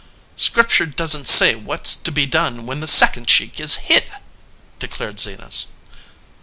"Scripture doesn t say what s to be done when the second cheek is hit, declared Zenas.